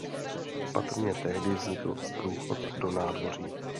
Patrně tehdy vznikl průchod do nádvoří.